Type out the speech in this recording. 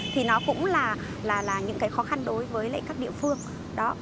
thì nó cũng là những cái khó khăn đối với các địa phương đó